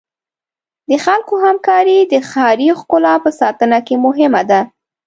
د خلکو همکاري د ښاري ښکلا په ساتنه کې مهمه ده.